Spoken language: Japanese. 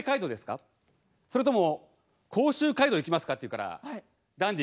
それとも甲州街道行きますか？」って言うからダンディ